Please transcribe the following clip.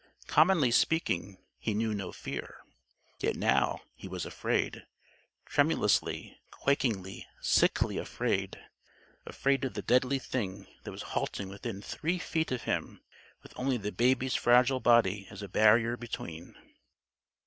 Commonly speaking, he knew no fear. Yet now he was afraid; tremulously, quakingly, sickly afraid. Afraid of the deadly thing that was halting within three feet of him, with only the Baby's fragile body as a barrier between.